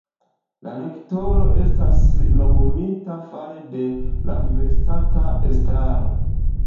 La rektoro estas nomumita fare de la universitata estraro.